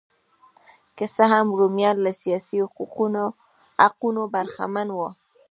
که څه هم رومیان له سیاسي حقونو برخمن وو